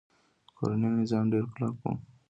کورنۍ نظام ډیر کلک و